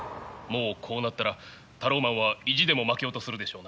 もうこうなったらタローマンは意地でも負けようとするでしょうな。